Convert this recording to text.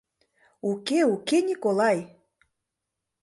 Уке, уке, Николай!